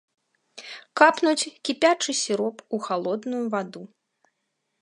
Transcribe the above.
Капнуць кіпячы сіроп ў халодную ваду.